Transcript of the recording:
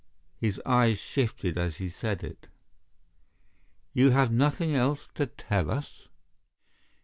His eyes shifted as he said it. "You have nothing else to tell us?"